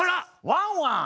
ワンワン